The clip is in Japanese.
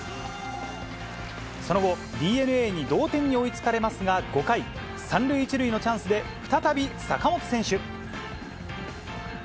その後、ＤｅＮＡに同点に追いつかれますが、５回、３塁１塁のチャンスで再び坂本選手。